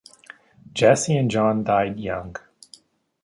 Jesse and John died young.